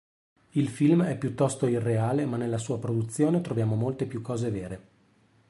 Il film è piuttosto irreale ma nella sua produzione troviamo molte più cose vere.